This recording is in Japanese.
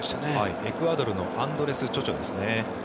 エクアドルのアンドレス・チョチョですね。